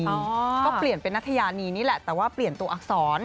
ก็เปลี่ยนเป็นนัทยานีนี่แหละแต่ว่าเปลี่ยนตัวอักษร